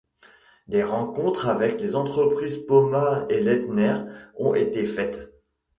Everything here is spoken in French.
Des rencontres avec les entreprises Poma et Leitner ont été faîtes.